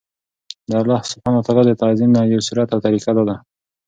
د الله سبحانه وتعالی د تعظيم نه يو صورت او طريقه دا ده